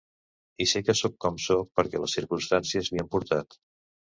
I sé que sóc com sóc perquè les circumstàncies m'hi han portat.